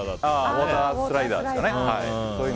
ウォータースライダーですかね。